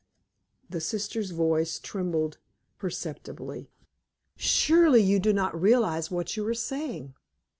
The sister's voice trembled perceptibly. "Surely you do not realize what you are saying!"